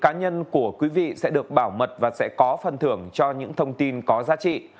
các thông tin cá nhân của quý vị sẽ được bảo mật và sẽ có phần thưởng cho những thông tin có giá trị